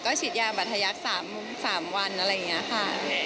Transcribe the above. ฉีดยาบัตรทยักษ์๓วันอะไรอย่างนี้ค่ะ